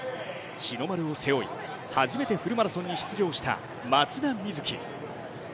日の丸を背負い初めてフルマラソンに出場した松田瑞生。